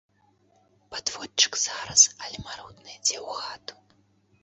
Падводчык зараз, але марудна ідзе ў хату.